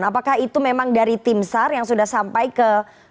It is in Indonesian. apakah itu memang dari tim sar yang sudah sampai ke